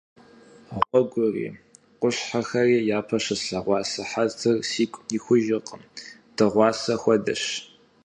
Гъуэгури къуршхэри япэ щыслъэгъуа сыхьэтыр сигу ихужыркъым – дыгъуасэ хуэдэщ.